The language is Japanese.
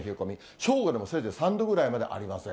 正午でもせいぜい３度ぐらいまでありません。